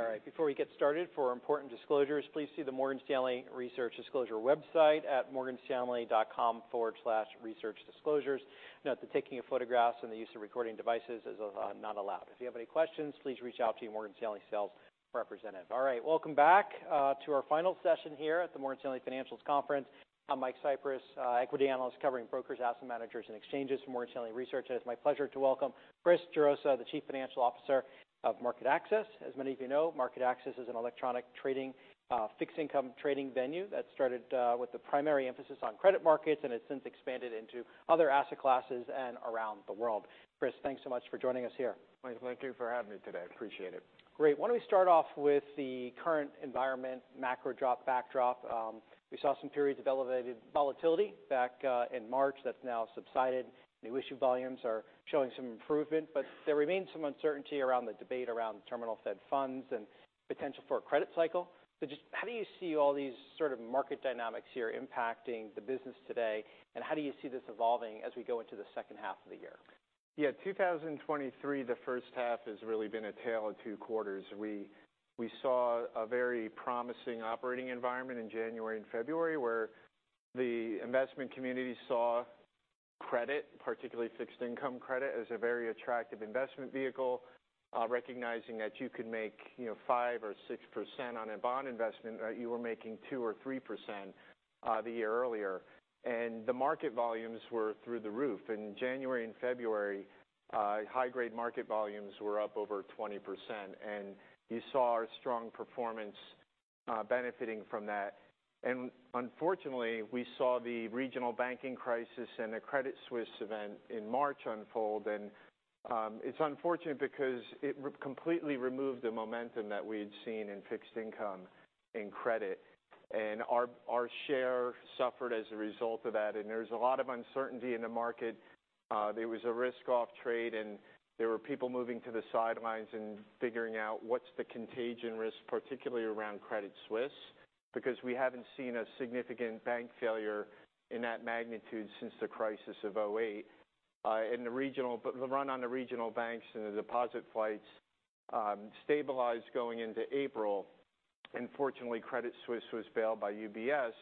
All right, before we get started, for important disclosures, please see the Morgan Stanley Research Disclosure website at morganstanley.com/researchdisclosures. Note that the taking of photographs and the use of recording devices is not allowed. If you have any questions, please reach out to your Morgan Stanley sales representative. All right. Welcome back to our final session here at the Morgan Stanley Financials Conference. I'm Mike Cyprys, equity analyst covering brokers, asset managers, and exchanges for Morgan Stanley Research, and it's my pleasure to welcome Chris Gerosa, the Chief Financial Officer of MarketAxess. As many of you know, MarketAxess is an electronic trading fixed income trading venue that started with the primary emphasis on credit markets, and has since expanded into other asset classes and around the world. Chris, thanks so much for joining us here. Mike, thank you for having me today. Appreciate it. Great. Why don't we start off with the current environment, macro drop backdrop? We saw some periods of elevated volatility back in March that's now subsided. New issue volumes are showing some improvement, but there remains some uncertainty around the debate around terminal Fed funds and potential for a credit cycle. Just how do you see all these sort of market dynamics here impacting the business today, and how do you see this evolving as we go into the second half of the year? 2023, the first half has really been a tale of two quarters. We saw a very promising operating environment in January and February, where the investment community saw credit, particularly fixed-income credit, as a very attractive investment vehicle. Recognizing that you could make, you know, 5% or 6% on a bond investment, that you were making 2% or 3%, the year earlier. The market volumes were through the roof. In January and February, high-grade market volumes were up over 20%, and you saw our strong performance benefiting from that. Unfortunately, we saw the regional banking crisis and the Credit Suisse event in March unfold, and it's unfortunate because it completely removed the momentum that we had seen in fixed-income and credit, and our share suffered as a result of that. There was a lot of uncertainty in the market. There was a risk-off trade, and there were people moving to the sidelines and figuring out what's the contagion risk, particularly around Credit Suisse, because we haven't seen a significant bank failure in that magnitude since the crisis of 2008. The run on the regional banks and the deposit flights stabilized going into April, and fortunately, Credit Suisse was bailed by UBS.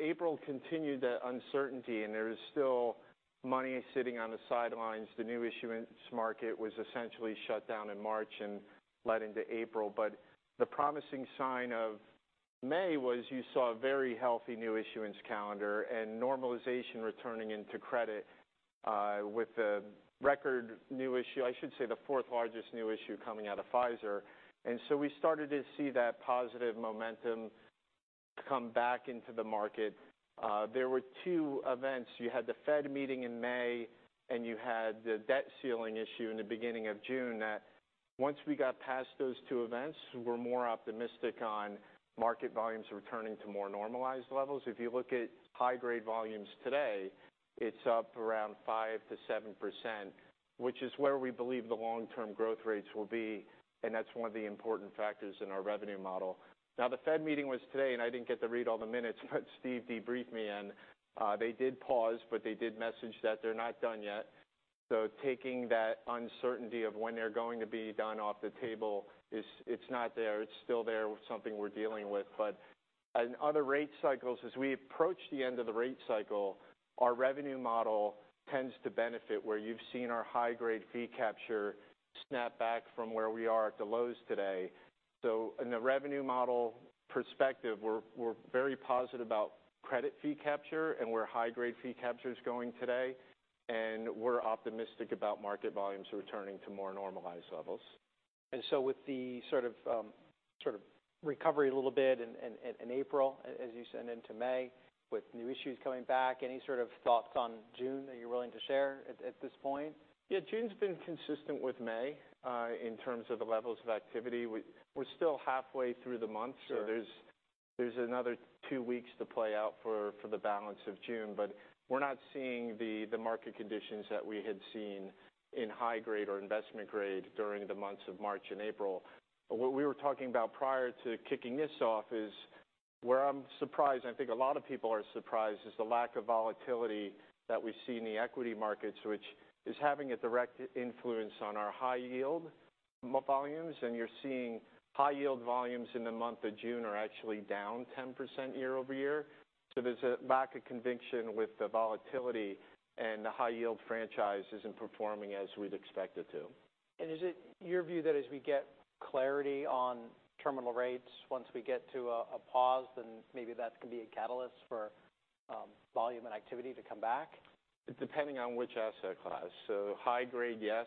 April continued the uncertainty, and there is still money sitting on the sidelines. The new issuance market was essentially shut down in March and late into April. The promising sign of May was you saw a very healthy new issuance calendar and normalization returning into credit, with I should say, the fourth largest new issue coming out of Pfizer. We started to see that positive momentum come back into the market. There were two events. You had the Fed meeting in May, and you had the debt ceiling issue in the beginning of June, that once we got past those two events, we're more optimistic on market volumes returning to more normalized levels. If you look at high-grade volumes today, it's up around 5%-7%, which is where we believe the long-term growth rates will be, and that's one of the important factors in our revenue model. The Fed meeting was today, and I didn't get to read all the minutes, but Steve debriefed me, and they did pause, but they did message that they're not done yet. Taking that uncertainty of when they're going to be done off the table is, it's not there. It's still there with something we're dealing with. In other rate cycles, as we approach the end of the rate cycle, our revenue model tends to benefit, where you've seen our high-grade fee capture snap back from where we are at the lows today. In the revenue model perspective, we're very positive about credit fee capture and where high-grade fee capture is going today, and we're optimistic about market volumes returning to more normalized levels. With the sort of recovery a little bit in April, as you said, into May, with new issues coming back, any sort of thoughts on June that you're willing to share at this point? Yeah, June's been consistent with May, in terms of the levels of activity. We're still halfway through the month. Sure. There's another two weeks to play out for the balance of June. We're not seeing the market conditions that we had seen in high-grade or investment grade during the months of March and April. What we were talking about prior to kicking this off is, where I'm surprised, and I think a lot of people are surprised, is the lack of volatility that we see in the equity markets, which is having a direct influence on our high-yield volumes. You're seeing high-yield volumes in the month of June are actually down 10% year-over-year. There's a lack of conviction with the volatility, and the high-yield franchise isn't performing as we'd expect it to. Is it your view that as we get clarity on terminal rates, once we get to a pause, then maybe that can be a catalyst for volume and activity to come back? Depending on which asset class. High-grade, yes.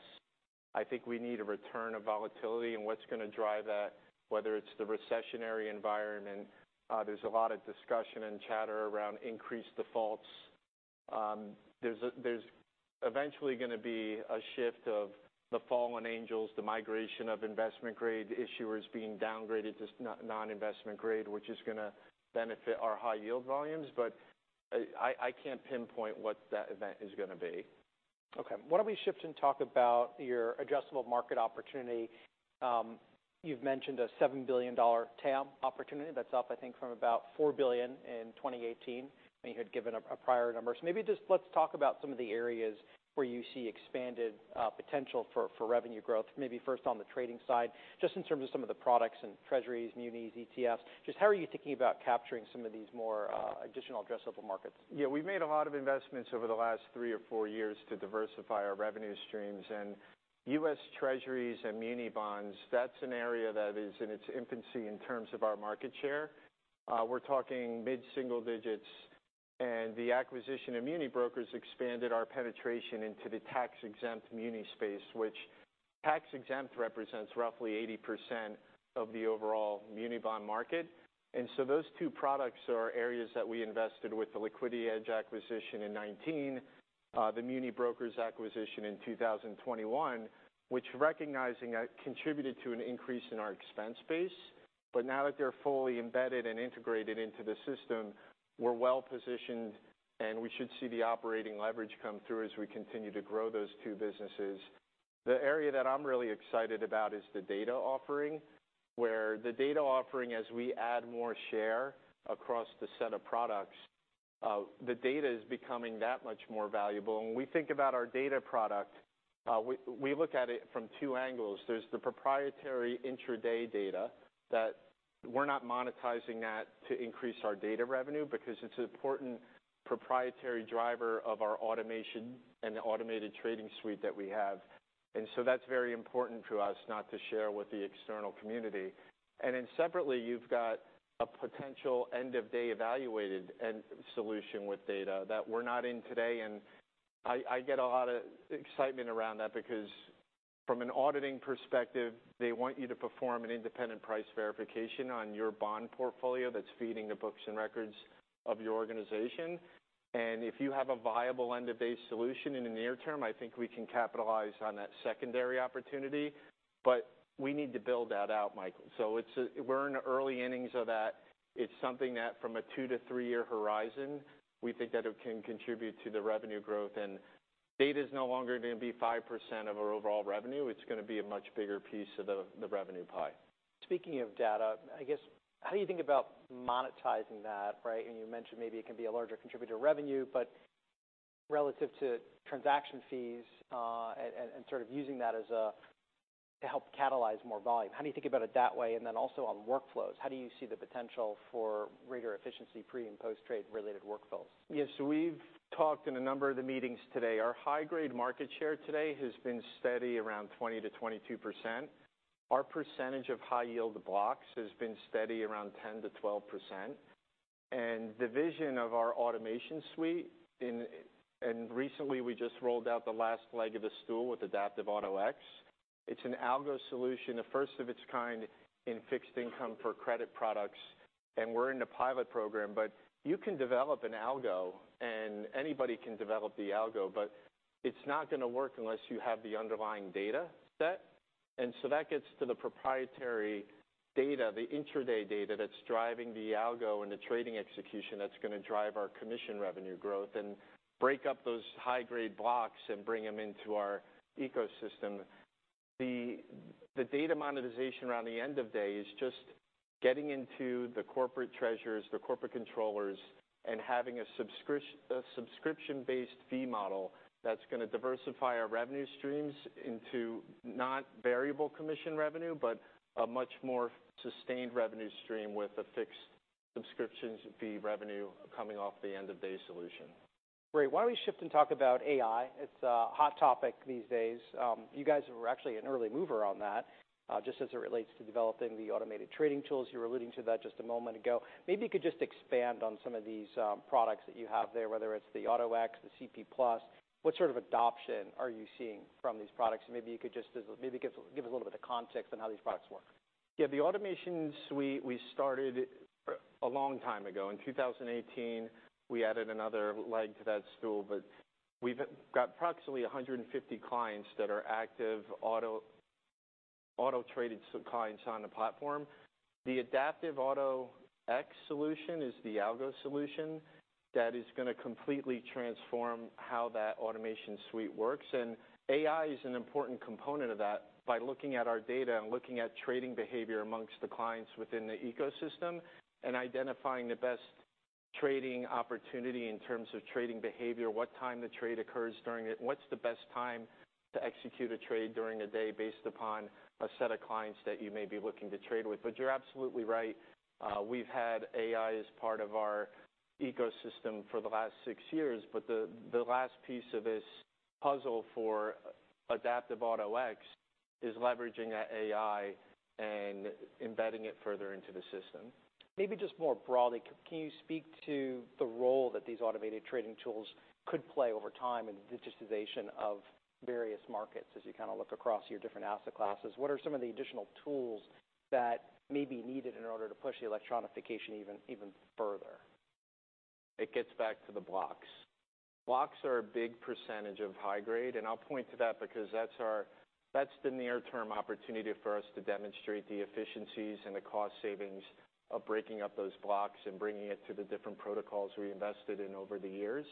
I think we need a return of volatility, and what's gonna drive that, whether it's the recessionary environment, there's a lot of discussion and chatter around increased defaults. There's eventually gonna be a shift of the fallen angels, the migration of investment-grade issuers being downgraded to non-investment-grade, which is gonna benefit our high-yield volumes. I can't pinpoint what that event is gonna be. Okay, why don't we shift and talk about your adjustable market opportunity? You've mentioned a $7 billion TAM opportunity. That's up, I think, from about $4 billion in 2018, and you had given a prior number. Maybe just let's talk about some of the areas where you see expanded potential for revenue growth. Maybe first on the trading side, just in terms of some of the products and treasuries, munis, ETFs. Just how are you thinking about capturing some of these more additional addressable markets? We've made a lot of investments over the last 3 or 4 years to diversify our revenue streams. U.S. Treasury securities and muni bonds, that's an area that is in its infancy in terms of our market share. We're talking mid-single digits. The acquisition of MuniBrokers expanded our penetration into the tax-exempt muni space, which tax-exempt represents roughly 80% of the overall muni bond market. Those two products are areas that we invested with: the LiquidityEdge acquisition in 2019, the MuniBrokers acquisition in 2021, which recognizing that contributed to an increase in our expense base. Now that they're fully embedded and integrated into the system, we're well-positioned, and we should see the operating leverage come through as we continue to grow those two businesses. The area that I'm really excited about is the data offering, where the data offering, as we add more share across the set of products, the data is becoming that much more valuable. When we think about our data product, we look at it from two angles. There's the proprietary intraday data that we're not monetizing that to increase our data revenue because it's an important proprietary driver of our automation and the automated trading suite that we have. That's very important to us not to share with the external community. Separately, you've got a potential end-of-day evaluated and solution with data that we're not in today. I get a lot of excitement around that because from an auditing perspective, they want you to perform an independent price verification on your bond portfolio that's feeding the books and records of your organization. If you have a viable end-of-day solution in the near term, I think we can capitalize on that secondary opportunity, but we need to build that out, Michael. It's a we're in the early innings of that. It's something that from a 2-3 year horizon, we think that it can contribute to the revenue growth, and data is no longer going to be 5% of our overall revenue. It's going to be a much bigger piece of the revenue pie. Speaking of data, I guess, how do you think about monetizing that, right? You mentioned maybe it can be a larger contributor to revenue, but relative to transaction fees, and, sort of, using that as a to help catalyze more volume. How do you think about it that way? Also on workflows, how do you see the potential for greater efficiency, pre- and post-trade-related workflows? Yeah. We've talked in a number of the meetings today. Our high-grade market share today has been steady around 20%-22%. Our percentage of high-yield blocks has been steady around 10%-12%. The vision of our automation suite and recently, we just rolled out the last leg of the stool with Adaptive Auto-X. It's an algo solution, the first of its kind in fixed income for credit products, and we're in the pilot program. You can develop an algo, and anybody can develop the algo, but it's not going to work unless you have the underlying data set. That gets to the proprietary data, the intraday data, that's driving the algo and the trading execution that's going to drive our commission revenue growth and break up those high-grade blocks and bring them into our ecosystem. The data monetization around the end of day is just getting into the corporate treasurers, the corporate controllers, and having a subscription-based fee model that's going to diversify our revenue streams into not variable commission revenue, but a much more sustained revenue stream with a fixed subscriptions fee revenue coming off the end-of-day solution. Great. Why don't we shift and talk about AI? It's a hot topic these days. You guys were actually an early mover on that just as it relates to developing the automated trading tools. You were alluding to that just a moment ago. Maybe you could just expand on some of these products that you have there, whether it's the Auto-X, the CP+. What sort of adoption are you seeing from these products? Maybe you could just as, maybe give us a little bit of context on how these products work. Yeah, the automation suite, we started a long time ago. In 2018, we added another leg to that stool, but we've got approximately 150 clients that are active auto-traded clients on the platform. The Adaptive Auto-X solution is the algo solution that is going to completely transform how that automation suite works. AI is an important component of that by looking at our data and looking at trading behavior amongst the clients within the ecosystem, and identifying the best trading opportunity in terms of trading behavior, what time the trade occurs during it, and what's the best time to execute a trade during the day based upon a set of clients that you may be looking to trade with. You're absolutely right. We've had AI as part of our ecosystem for the last six years, but the last piece of this puzzle for Adaptive Auto-X is leveraging that AI and embedding it further into the system. Maybe just more broadly, can you speak to the role that these automated trading tools could play over time in the digitization of various markets? As you kind of look across your different asset classes, what are some of the additional tools that may be needed in order to push the electronification even further? It gets back to the blocks. Blocks are a big percentage of high-grade, and I'll point to that because that's the near-term opportunity for us to demonstrate the efficiencies and the cost savings of breaking up those blocks and bringing it to the different protocols we invested in over the years.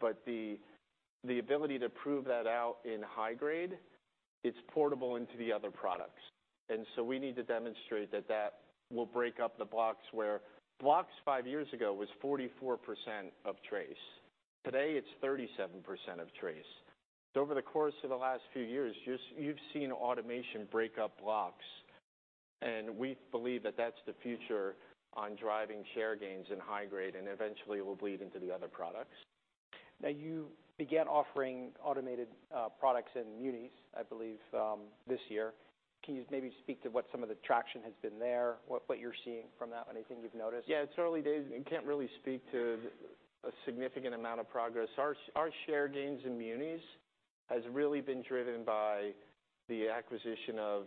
But the ability to prove that out in high-grade, it's portable into the other products. We need to demonstrate that that will break up the blocks where blocks 5 years ago was 44% of TRACE. Today, it's 37% of TRACE. Over the course of the last few years, you've seen automation break up blocks, and we believe that that's the future on driving share gains in high-grade, and eventually, it will bleed into the other products. You began offering automated products in Munis, I believe, this year. Can you maybe speak to what some of the traction has been there, what you're seeing from that? Anything you've noticed? Yeah, it's early days, and can't really speak to a significant amount of progress. Our share gains in Munis has really been driven by the acquisition of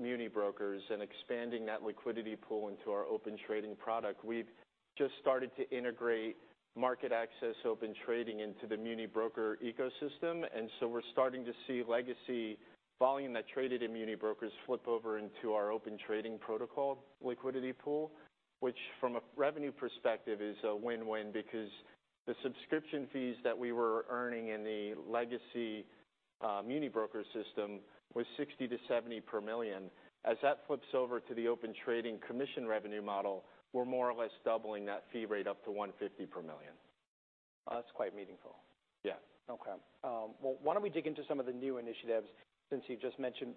MuniBrokers and expanding that liquidity pool into our Open Trading product. We've just started to integrate MarketAxess Open Trading into the MuniBrokers ecosystem. We're starting to see legacy volume that traded in MuniBrokers flip over into our Open Trading protocol liquidity pool, which, from a revenue perspective, is a win-win because the subscription fees that we were earning in the legacy MuniBrokers system was $60-$70 per million. As that flips over to the Open Trading commission revenue model, we're more or less doubling that fee rate up to $150 per million. That's quite meaningful. Yeah. Okay. Well, why don't we dig into some of the new initiatives, since you've just mentioned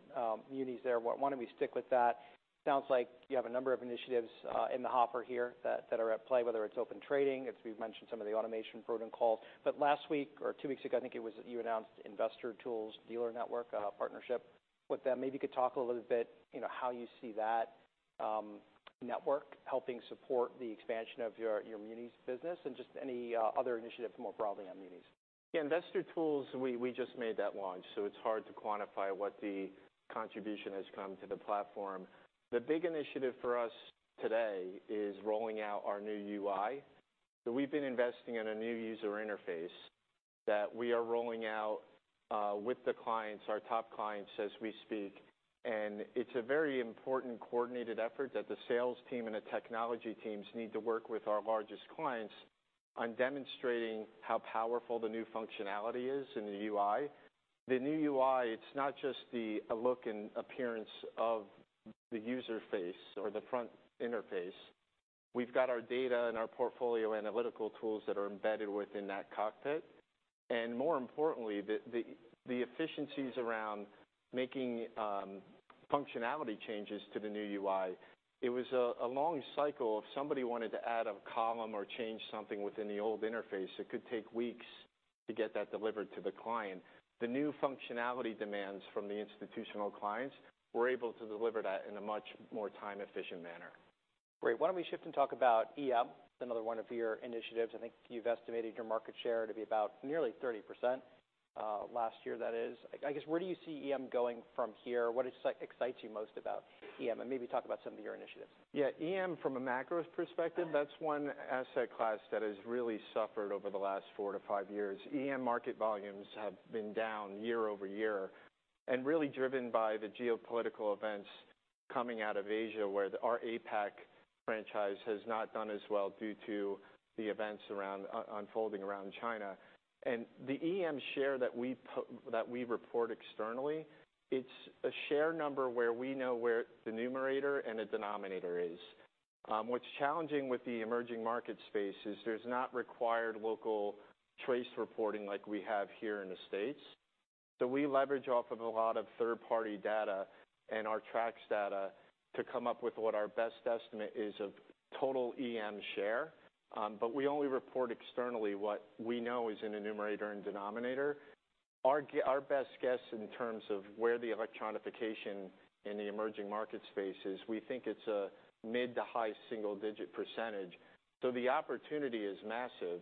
Munis there. Why don't we stick with that? Sounds like you have a number of initiatives in the hopper here that are at play, whether it's Open Trading, as we've mentioned, some of the automation protocols. Last week or 2 weeks ago, I think it was, you announced Investortools Dealer Network partnership. With that, maybe you could talk a little bit, you know, how you see that network helping support the expansion of your Munis business, and just any other initiatives more broadly on Munis. Investortools, we just made that launch. It's hard to quantify what the contribution has come to the platform. The big initiative for us today is rolling out our new UI. We've been investing in a new user interface that we are rolling out with the clients, our top clients, as we speak. It's a very important coordinated effort that the sales team and the technology teams need to work with our largest clients on demonstrating how powerful the new functionality is in the UI. The new UI, it's not just the look and appearance of the user face or the front interface. We've got our data and our portfolio analytical tools that are embedded within that cockpit. More importantly, the efficiencies around making functionality changes to the new UI. It was a long cycle. If somebody wanted to add a column or change something within the old interface, it could take weeks to get that delivered to the client. The new functionality demands from the institutional clients, we're able to deliver that in a much more time-efficient manner. Great. Why don't we shift and talk about EM, another one of your initiatives. I think you've estimated your market share to be about nearly 30%, last year, that is. I guess, where do you see EM going from here? What excites you most about EM? Maybe talk about some of your initiatives. EM, from a macro perspective, that's one asset class that has really suffered over the last 4-5 years. EM market volumes have been down year-over-year and really driven by the geopolitical events coming out of Asia, where our APAC franchise has not done as well due to the events unfolding around China. The EM share that we report externally, it's a share number where we know where the numerator and the denominator is. What's challenging with the emerging market space is there's not required local TRACE reporting like we have here in the States, so we leverage off of a lot of third-party data and our Trax data to come up with what our best estimate is of total EM share. We only report externally what we know is in a numerator and denominator. Our best guess in terms of where the electronification in the emerging market space is, we think it's a mid to high single-digit %. The opportunity is massive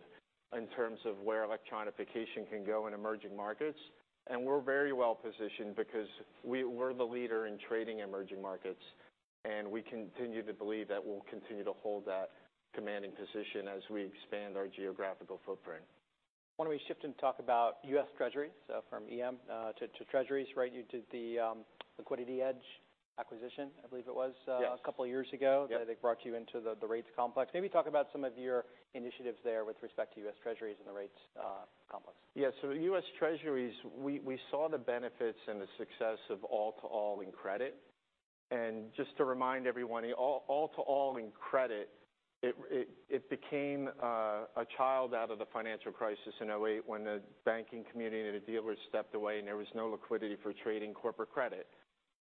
in terms of where electronification can go in emerging markets, and we're very well positioned because we're the leader in trading emerging markets, and we continue to believe that we'll continue to hold that commanding position as we expand our geographical footprint. Why don't we shift and talk about U.S. Treasuries? From EM, to Treasuries, right, you did the LiquidityEdge acquisition, I believe it was- Yes a couple of years ago. Yep. That I think brought you into the rates complex. Maybe talk about some of your initiatives there with respect to U.S. Treasuries and the rates complex. The U.S. Treasuries, we saw the benefits and the success of all-to-all in credit. Just to remind everyone, all-to-all in credit, it became a child out of the financial crisis in 2008, when the banking community and the dealers stepped away, and there was no liquidity for trading corporate credit.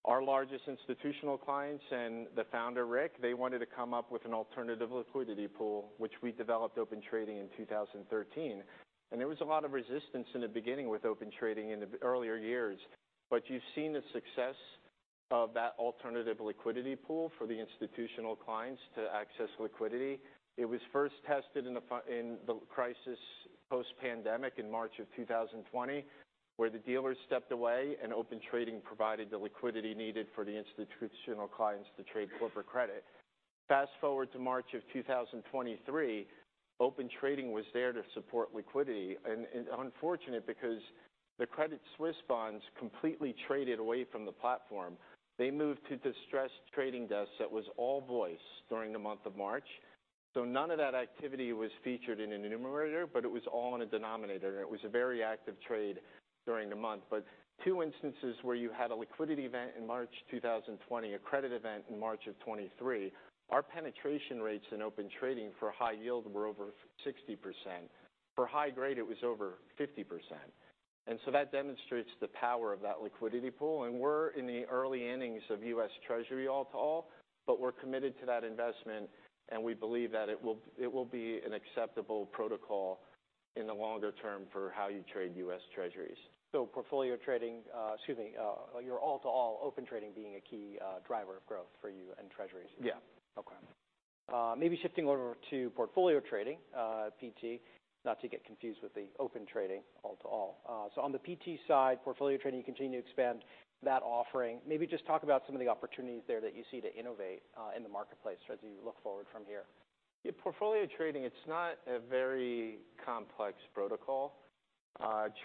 Our largest institutional clients and the founder, Rick, they wanted to come up with an alternative liquidity pool, which we developed Open Trading in 2013. There was a lot of resistance in the beginning with Open Trading in the earlier years, but you've seen the success of that alternative liquidity pool for the institutional clients to access liquidity. It was first tested in the crisis post-pandemic in March of 2020, where the dealers stepped away, and Open Trading provided the liquidity needed for the institutional clients to trade corporate credit. Fast-forward to March of 2023, Open Trading was there to support liquidity, and unfortunate because. The Credit Suisse bonds completely traded away from the platform. They moved to distressed trading desks that was all voice during the month of March. None of that activity was featured in a numerator, but it was all in a denominator, and it was a very active trade during the month. Two instances where you had a liquidity event in March 2020, a credit event in March of 2023, our penetration rates in Open Trading for high-yield were over 60%. For high-grade, it was over 50%. That demonstrates the power of that liquidity pool. We're in the early innings of U.S. Treasury all-to-all, but we're committed to that investment, and we believe that it will be an acceptable protocol in the longer term for how you trade U.S. Treasuries. portfolio trading, excuse me, your all-to-all Open Trading being a key driver of growth for you and Treasuries? Yeah. Okay. Maybe shifting over to portfolio trading, PT, not to get confused with the Open Trading, all-to-all. On the PT side, portfolio trading, you continue to expand that offering. Maybe just talk about some of the opportunities there that you see to innovate in the marketplace as you look forward from here. Yeah, portfolio trading, it's not a very complex protocol.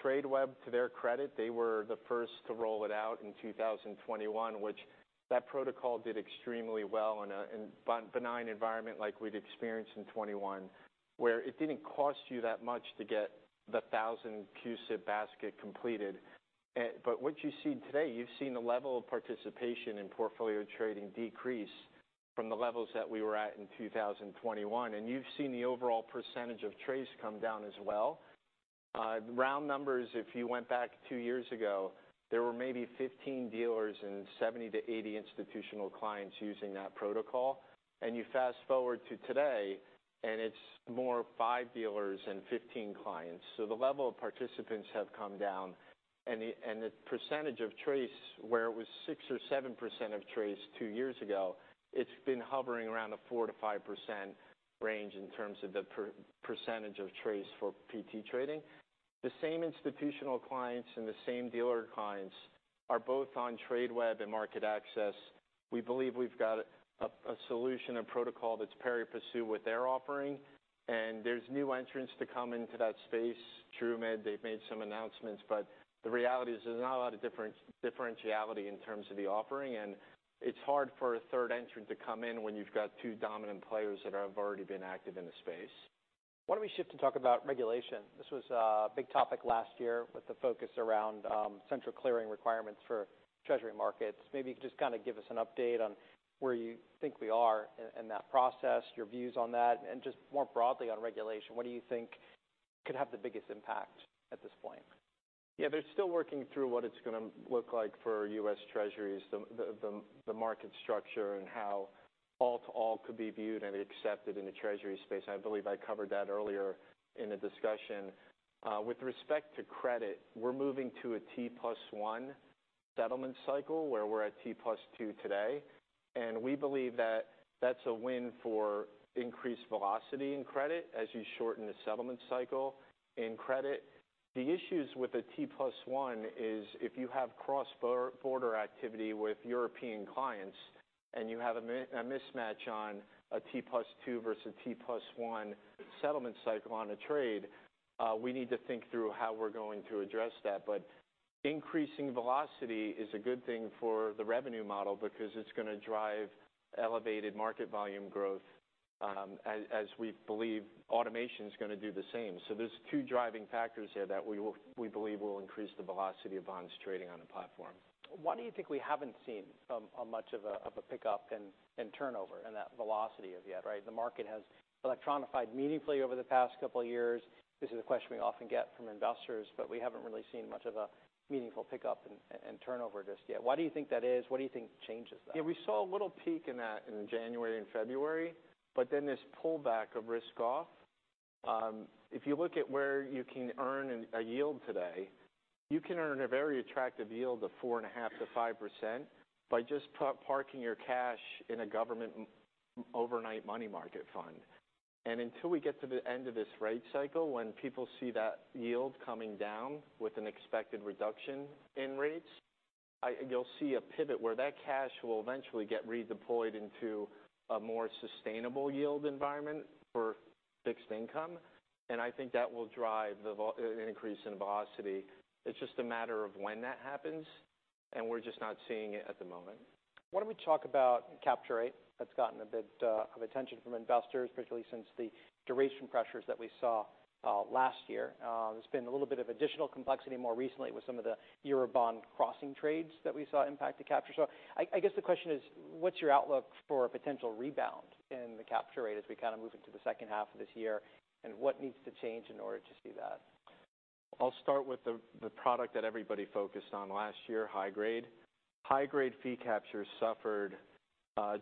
Tradeweb, to their credit, they were the first to roll it out in 2021, which that protocol did extremely well in a benign environment like we'd experienced in 2021, where it didn't cost you that much to get the 1,000-CUSIP basket completed. What you see today, you've seen the level of participation in portfolio trading decrease from the levels that we were at in 2021, and you've seen the overall percentage of trades come down as well. Round numbers, if you went back 2 years ago, there were maybe 15 dealers and 70-80 institutional clients using that protocol. You fast-forward to today, and it's more 5 dealers and 15 clients. The level of participants have come down, and the percentage of trades, where it was 6% or 7% of trades 2 years ago, it's been hovering around the 4%-5% range in terms of the percentage of trades for PT trading. The same institutional clients and the same dealer clients are both on Tradeweb and MarketAxess. We believe we've got a solution, a protocol that's pari passu with their offering, and there's new entrants to come into that space. Trumid, they've made some announcements, but the reality is there's not a lot of differentiality in terms of the offering, and it's hard for a third entrant to come in when you've got two dominant players that have already been active in the space. Why don't we shift and talk about regulation? This was a big topic last year with the focus around central clearing requirements for treasury markets. Maybe just kind of give us an update on where you think we are in that process, your views on that, and just more broadly on regulation. What do you think could have the biggest impact at this point? Yeah, they're still working through what it's gonna look like for U.S. Treasuries, the market structure and how all-to-all could be viewed and accepted in the Treasury space. I believe I covered that earlier in the discussion. With respect to credit, we're moving to a T+1 settlement cycle, where we're at T+2 today, and we believe that that's a win for increased velocity in credit as you shorten the settlement cycle in credit. The issues with a T+1 is, if you have cross border activity with European clients, and you have a mismatch on a T+2 versus a T+1 settlement cycle on a trade, we need to think through how we're going to address that. Increasing velocity is a good thing for the revenue model because it's gonna drive elevated market volume growth, as we believe automation is gonna do the same. There's two driving factors here that we believe will increase the velocity of bonds trading on the platform. Why do you think we haven't seen a much of a, of a pickup in turnover and that velocity of yet, right? The market has electronified meaningfully over the past couple of years. This is a question we often get from investors. We haven't really seen much of a meaningful pickup in turnover just yet. Why do you think that is? What do you think changes that? We saw a little peak in that in January and February, but then this pullback of risk off. If you look at where you can earn a yield today, you can earn a very attractive yield of 4.5%-5% by just parking your cash in a government overnight money market fund. Until we get to the end of this rate cycle, when people see that yield coming down with an expected reduction in rates, you'll see a pivot where that cash will eventually get redeployed into a more sustainable yield environment for fixed income. I think that will drive an increase in velocity. It's just a matter of when that happens, and we're just not seeing it at the moment. Why don't we talk about capture rate? That's gotten a bit of attention from investors, particularly since the duration pressures that we saw last year. There's been a little bit of additional complexity more recently with some of the Eurobond crossing trades that we saw impact the capture. I guess, the question is: What's your outlook for a potential rebound in the capture rate as we kind of move into the second half of this year? What needs to change in order to see that? I'll start with the product that everybody focused on last year, high-grade. High-grade fee capture suffered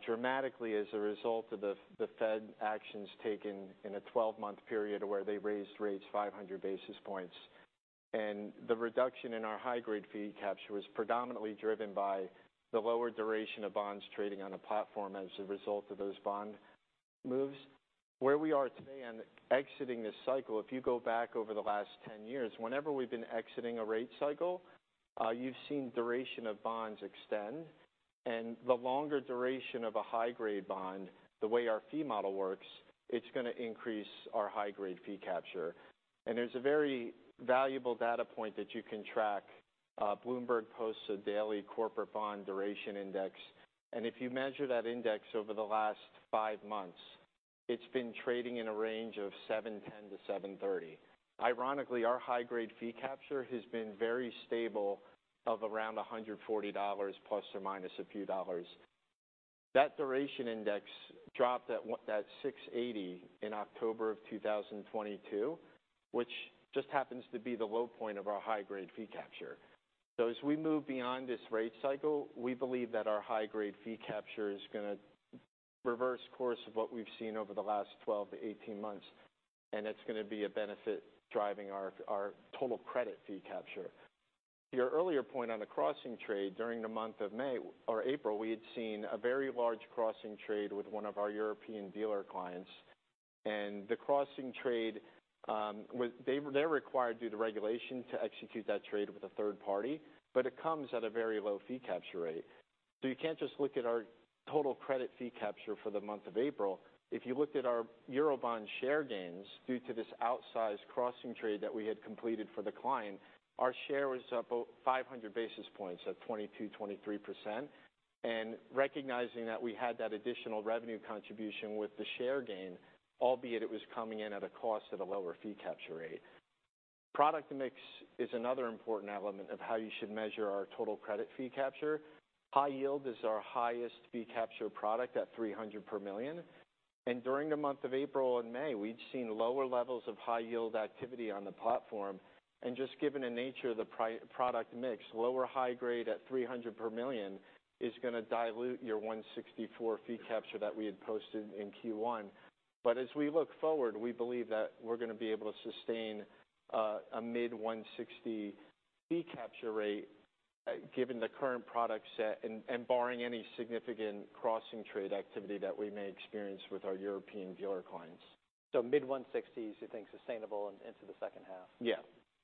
dramatically as a result of the Fed actions taken in a 12-month period, where they raised rates 500 basis points. The reduction in our high-grade fee capture was predominantly driven by the lower duration of bonds trading on the platform as a result of those bond moves. Where we are today and exiting this cycle, if you go back over the last 10 years, whenever we've been exiting a rate cycle, you've seen duration of bonds extend, and the longer duration of a high-grade bond, the way our fee model works, it's gonna increase our high-grade fee capture. There's a very valuable data point that you can track. Bloomberg posts a daily corporate bond duration index, and if you measure that index over the last five months, it's been trading in a range of 710-730. Ironically, our high-grade fee capture has been very stable of around $140, plus or minus a few dollars. That duration index dropped at 680 in October 2022, which just happens to be the low point of our high-grade fee capture. As we move beyond this rate cycle, we believe that our high-grade fee capture is gonna reverse course of what we've seen over the last 12-18 months, and it's gonna be a benefit driving our total credit fee capture. To your earlier point on the crossing trade, during the month of May or April, we had seen a very large crossing trade with one of our European dealer clients. The crossing trade was. They're required, due to regulation, to execute that trade with a third party, but it comes at a very low fee capture rate. You can't just look at our total credit fee capture for the month of April. If you looked at our Eurobond share gains, due to this outsized crossing trade that we had completed for the client, our share was up about 500 basis points, at 22%-23%. Recognizing that we had that additional revenue contribution with the share gain, albeit it was coming in at a cost at a lower fee capture rate. Product mix is another important element of how you should measure our total credit fee capture. High yield is our highest fee capture product at $300 per million, and during the month of April and May, we've seen lower levels of high-yield activity on the platform. Just given the nature of the product mix, lower high-grade at $300 per million is gonna dilute your $164 fee capture that we had posted in Q1. As we look forward, we believe that we're gonna be able to sustain a mid-$160 fee capture rate given the current product set and barring any significant cross trade activity that we may experience with our European dealer clients. Mid-$160, you think, sustainable into the second half? Yeah.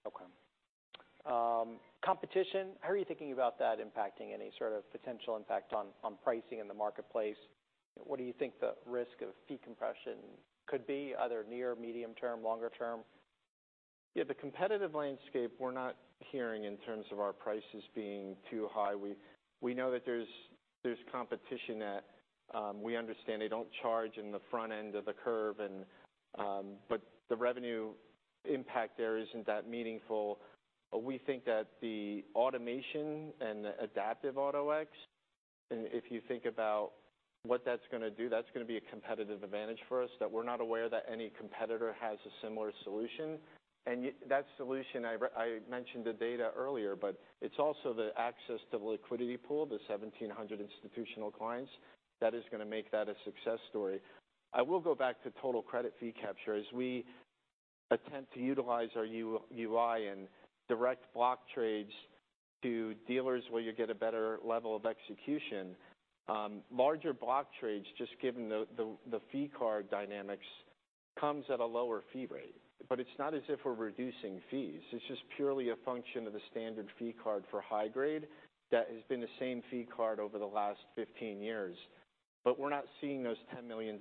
Okay. Competition, how are you thinking about that impacting any sort of potential impact on pricing in the marketplace? What do you think the risk of fee compression could be, either near, medium term, longer term? Yeah, the competitive landscape, we're not hearing in terms of our prices being too high. We know that there's competition, that we understand they don't charge in the front end of the curve. The revenue impact there isn't that meaningful. We think that the automation and the Adaptive Auto-X, and if you think about what that's gonna do, that's gonna be a competitive advantage for us, that we're not aware that any competitor has a similar solution. That solution, I mentioned the data earlier, but it's also the access to the liquidity pool, the 1,700 institutional clients, that is gonna make that a success story. I will go back to total credit fee capture. As we attempt to utilize our UI and direct block trades to dealers where you get a better level of execution, larger block trades, just given the fee card dynamics, comes at a lower fee rate. It's not as if we're reducing fees. It's just purely a function of the standard fee card for high grade that has been the same fee card over the last 15 years. We're not seeing those $10 million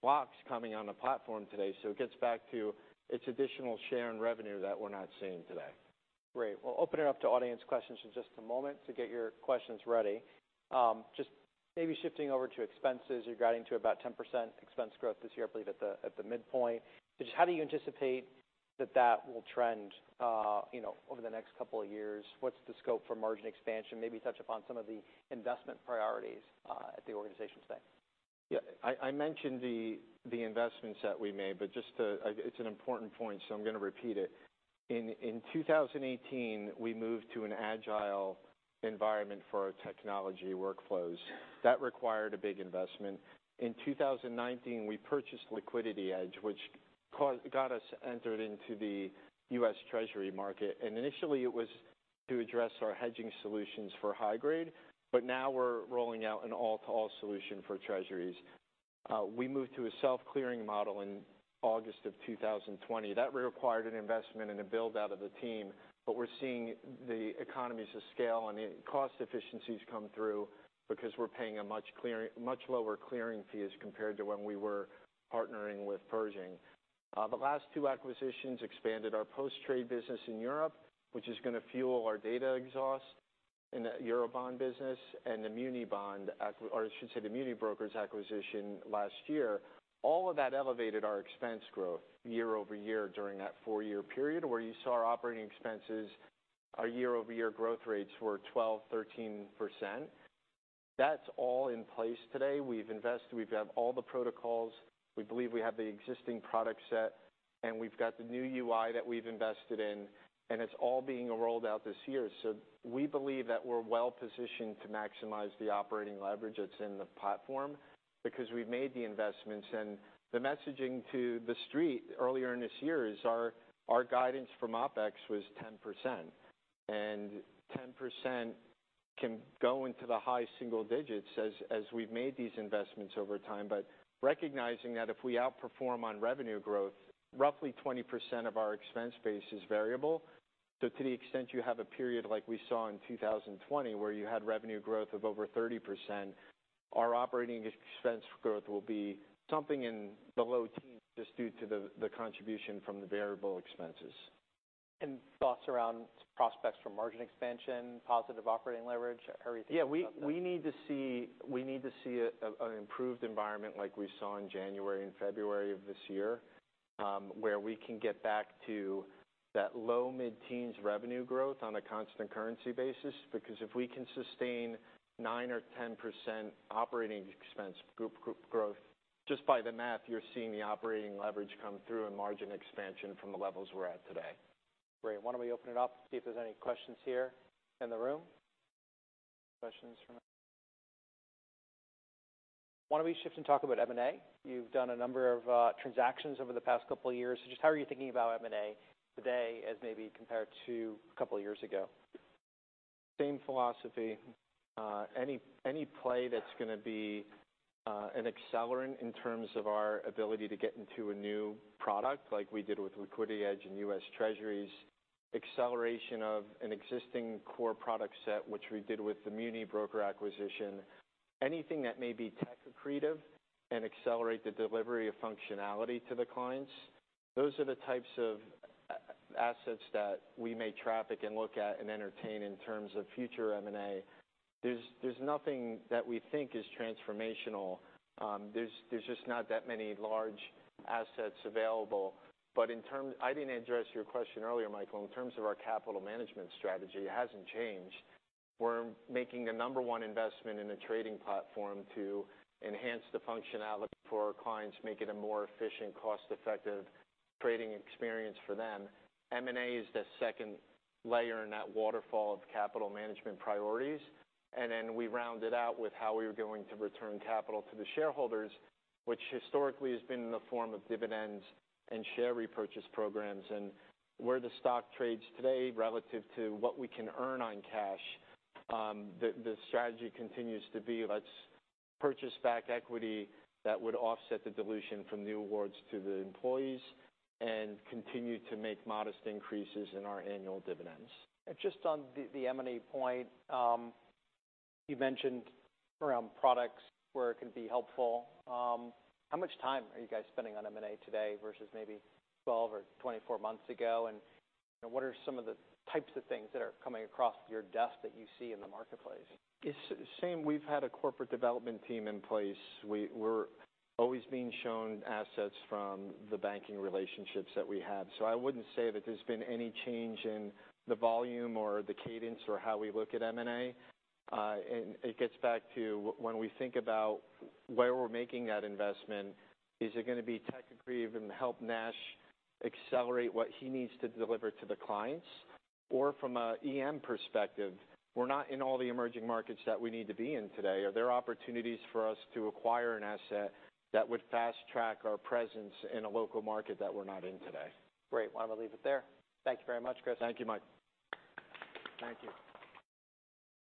blocks coming on the platform today, so it gets back to its additional share in revenue that we're not seeing today. Great. We'll open it up to audience questions in just a moment. Get your questions ready. Just maybe shifting over to expenses. You're guiding to about 10% expense growth this year, I believe, at the midpoint. Just how do you anticipate that that will trend, you know, over the next couple of years? What's the scope for margin expansion? Maybe touch upon some of the investment priorities, at the organization today. Yeah, I mentioned the investments that we made. It's an important point, so I'm gonna repeat it. In 2018, we moved to an agile environment for our technology workflows. That required a big investment. In 2019, we purchased LiquidityEdge, which got us entered into the U.S. Treasury market, and initially it was to address our hedging solutions for high-grade, but now we're rolling out an all-to-all solution for Treasuries. We moved to a self-clearing model in August of 2020. That required an investment and a build-out of the team, but we're seeing the economies of scale and the cost efficiencies come through because we're paying a much lower clearing fee as compared to when we were partnering with Pershing. The last two acquisitions expanded our post-trade business in Europe, which is gonna fuel our data exhaust in the Eurobond business and the MuniBrokers acquisition last year. All of that elevated our expense growth year-over-year during that four-year period, where you saw our operating expenses, our year-over-year growth rates were 12%, 13%. That's all in place today. We've invested, we have all the protocols. We believe we have the existing product set, and we've got the new UI that we've invested in, and it's all being rolled out this year. We believe that we're well-positioned to maximize the operating leverage that's in the platform, because we've made the investments. The messaging to the street earlier in this year is our guidance from OpEx was 10%. 10%. can go into the high single digits as we've made these investments over time. Recognizing that if we outperform on revenue growth, roughly 20% of our expense base is variable. To the extent you have a period like we saw in 2020, where you had revenue growth of over 30%, our operating expense growth will be something in the low teens, just due to the contribution from the variable expenses. Thoughts around prospects for margin expansion, positive operating leverage? How are you thinking about that? We need to see an improved environment like we saw in January and February of this year, where we can get back to that low, mid-teens revenue growth on a constant currency basis. If we can sustain 9% or 10% operating expense growth, just by the math, you're seeing the operating leverage come through and margin expansion from the levels we're at today. Great. Why don't we open it up, see if there's any questions here in the room? Why don't we shift and talk about M&A? You've done a number of transactions over the past couple of years. Just how are you thinking about M&A today, as maybe compared to a couple of years ago? Same philosophy. Any play that's gonna be an accelerant in terms of our ability to get into a new product, like we did with LiquidityEdge and U.S. Treasuries. Acceleration of an existing core product set, which we did with the MuniBrokers acquisition. Anything that may be tech accretive and accelerate the delivery of functionality to the clients, those are the types of assets that we may traffic and look at and entertain in terms of future M&A. There's nothing that we think is transformational. There's just not that many large assets available. I didn't address your question earlier, Michael, in terms of our capital management strategy, it hasn't changed. We're making the number one investment in a trading platform to enhance the functionality for our clients, make it a more efficient, cost-effective trading experience for them. M&A is the second layer in that waterfall of capital management priorities. Then we round it out with how we are going to return capital to the shareholders, which historically has been in the form of dividends and share repurchase programs. Where the stock trades today relative to what we can earn on cash, the strategy continues to be, let's purchase back equity that would offset the dilution from new awards to the employees and continue to make modest increases in our annual dividends. Just on the M&A point, you mentioned around products where it can be helpful. How much time are you guys spending on M&A today versus maybe 12 or 24 months ago? What are some of the types of things that are coming across your desk that you see in the marketplace? It's the same. We've had a corporate development team in place. We're always being shown assets from the banking relationships that we have, so I wouldn't say that there's been any change in the volume or the cadence or how we look at M&A. It gets back to when we think about where we're making that investment, is it gonna be tech accretive and help Nash accelerate what he needs to deliver to the clients? Or from a EM perspective, we're not in all the emerging markets that we need to be in today. Are there opportunities for us to acquire an asset that would fast track our presence in a local market that we're not in today? Great. Why don't I leave it there? Thank you very much, Chris. Thank you, Mike. Thank you.